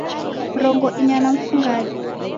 Mrongo inya na mfungade